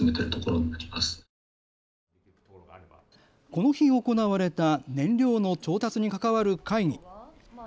この日、行われた燃料の調達に関わる会議。